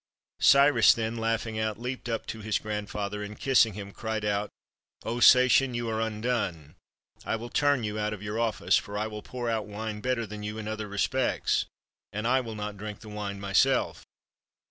Cyrus then, laughing out, leaped up to his grand father, and, kissing him, cried out, "O Sacian, you are undone ; I will turn you out of your office ; for I will pour out wine better than you in other respects, and I will not drink the wine myself."